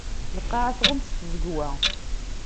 Lqaεa tɣumm s tẓegwa.